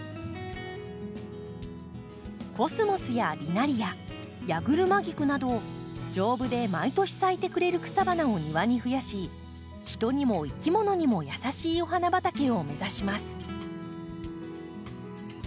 コスモスやリナリアヤグルマギクなど丈夫で毎年咲いてくれる草花を庭にふやし人にもいきものにも優しいお花畑を目指します。